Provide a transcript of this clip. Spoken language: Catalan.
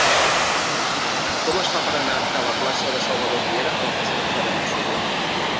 Com es fa per anar de la plaça de Salvador Riera a la plaça de Frederic Soler?